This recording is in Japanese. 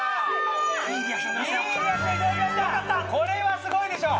これはすごいでしょ！